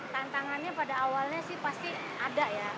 tantangannya pada awalnya sih pasti ada ya